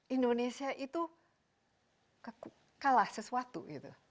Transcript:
indonesia itu kalah sesuatu gitu